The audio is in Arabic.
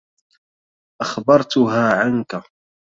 أخبرتها عنك.